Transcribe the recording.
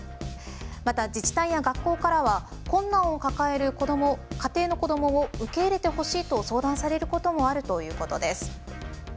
また自治体や学校からは困難を抱える家庭の子どもを受け入れてほしいと相談されることもあるということです。